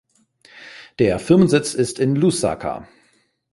Der Firmensitz ist in Lusaka.